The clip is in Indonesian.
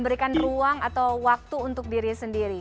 berikan ruang atau waktu untuk diri sendiri